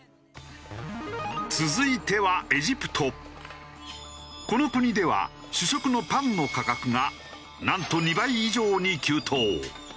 続いてはこの国では主食のパンの価格がなんと２倍以上に急騰。